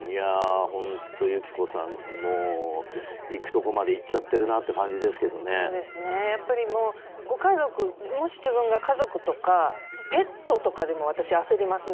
友紀子さん、いくところまでいっちゃってるなってやっぱり、ご家族もし自分が家族とかペットとかでも私、焦りますね。